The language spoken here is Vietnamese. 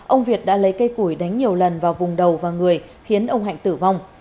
ông việt đã lấy cây củi đánh nhiều lần vào vùng đầu và người khiến ông hạnh tử vong